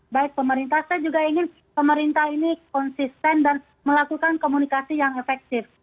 baik pemerintah saya juga ingin pemerintah ini konsisten dan melakukan komunikasi yang efektif